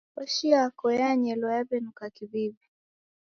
Koshi yako yanyelwa yaw'enuka kiw'iw'i.